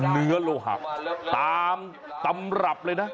เนื้อโลหะตามตำรับเลยนะ